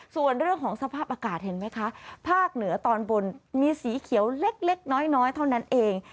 ส่วนเรื่องของสภาพอากาศเห็นไหมคะภาคเหนือตอนบนมีสีเขียวเล็กน้อยเท่านั้นเอง